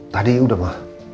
tadi udah ma